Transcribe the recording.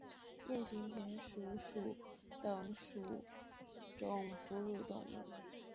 鼹形田鼠属等数种哺乳动物。